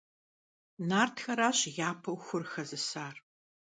Нартхэращ япэу хур хэзысар.